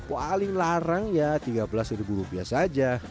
paling larang ya tiga belas rupiah saja